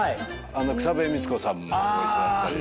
草笛光子さんもご一緒だったり。